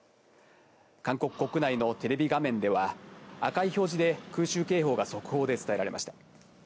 韓国国内のテレビ画面では赤い表示で空襲警報が速報で伝えられました。